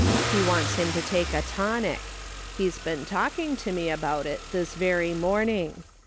He wants him to take a tonic. He's been talking to me about it this very morning.